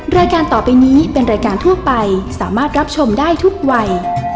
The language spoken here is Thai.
รายการต่อไปนี้เป็นรายการทั่วไปสามารถรับชมได้ทุกวัย